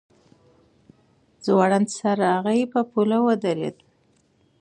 ځوړند سر راغی په پوله ودرېد.